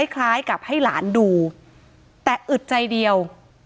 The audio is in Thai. คล้ายกับให้หลานดูแต่อึดใจเดียว